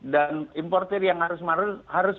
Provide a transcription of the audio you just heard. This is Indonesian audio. dan importer yang harus